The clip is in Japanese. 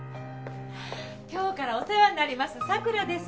今日からお世話になります佐倉です。